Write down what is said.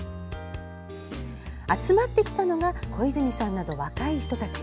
集まってきたのが小泉さんなど若い人たち。